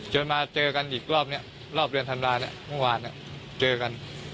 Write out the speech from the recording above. จนมาเจอกันอีกรอบเนี่ยรอบเรือนธรรมดาเนี่ยเมื่อวานเนี่ยเจอกัน